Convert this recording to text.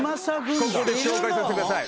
ここで紹介させてください。